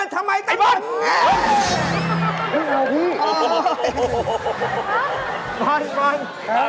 นี่จริง